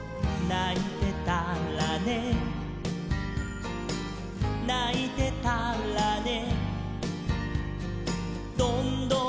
「ないてたらねないてたらね」